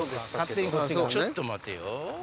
ちょっと待てよ。